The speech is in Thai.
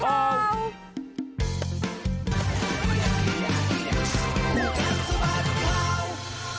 กัมมัตน์สมัตน์ข่าว